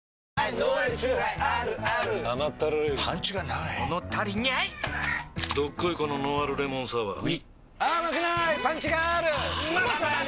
どっこいこのノンアルレモンサワーうぃまさに！